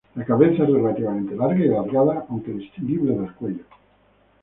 La cabeza es relativamente larga y alargada, aunque distinguible del cuello.